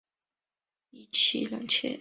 有一妻两妾。